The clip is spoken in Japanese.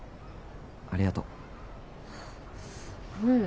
ありがとう。